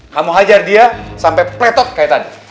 kamu hajar dia sampai pletot kayak tadi